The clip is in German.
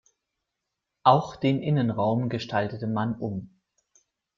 Auch den Innenraum gestaltete man um.